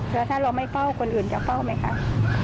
แล้วถ้าเราไม่เฝ้าคนอื่นจะเฝ้าไหมคะ